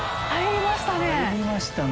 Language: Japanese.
入りましたね。